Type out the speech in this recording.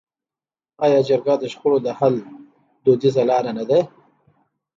آیا جرګه د شخړو د حل دودیزه لاره نه ده؟